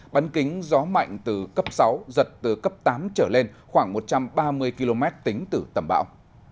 bắn kính gió mạnh từ cấp sáu giật từ cấp tám trở lên khoảng một trăm ba mươi km tính từ tâm bão